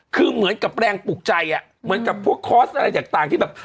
คือเหมือนกับแรงปลูกใจอ่ะเหมือนกับพวกคอร์สอะไรต่างที่แบบ